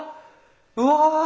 うわ！